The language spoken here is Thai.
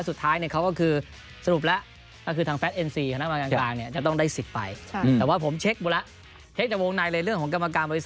สุดท้ายเนี่ยเขาก็คือสรุปแล้ว